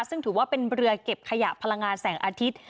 ซึ่งถือว่าเป็นเรือเก็บขยะพลังงานแสงอาทิตย์